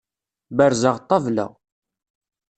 Berzeɣ ṭṭabla.